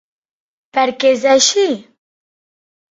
Per què és així?